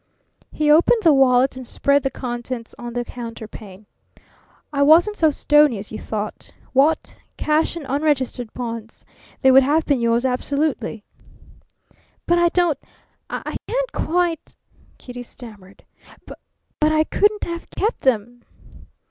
He opened the wallet and spread the contents on the counterpane. "I wasn't so stony as you thought. What? Cash and unregistered bonds. They would have been yours absolutely." "But I don't I can't quite," Kitty stammered "but I couldn't have kept them!"